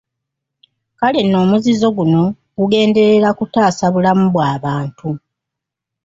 Kale nno omuzizo guno gugenderera kutaasa bulamu bw’abantu.